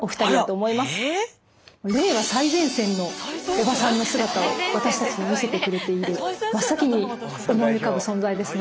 おばさんの姿を私たちに見せてくれている真っ先に思い浮かぶ存在ですね。